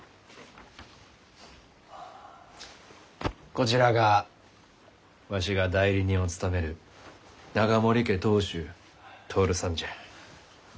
こちらがわしが代理人を務める永守家当主徹さんじゃ。